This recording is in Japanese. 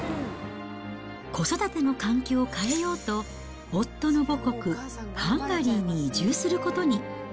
子育ての環境を変えようと、夫の母国、ハンガリーに移住することに。